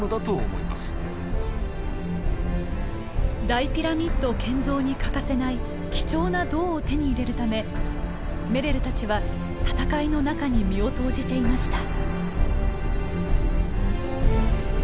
大ピラミッド建造に欠かせない貴重な銅を手に入れるためメレルたちは戦いの中に身を投じていました。